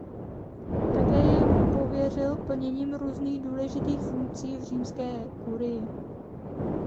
Také jej pověřil plněním různých důležitých funkcí v římské kurii.